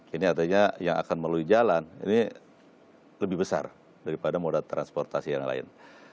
ini artinya yang akan melalui jalan ini lebih besar daripada moda transportasi yang lain